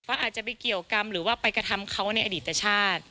อาจจะไปเกี่ยวกรรมหรือว่าไปกระทำเขาในอดีตชาติ